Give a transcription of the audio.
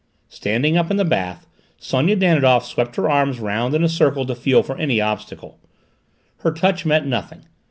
Standing up in the bath, Sonia Danidoff swept her arms round in a circle to feel for any obstacle. Her touch met nothing.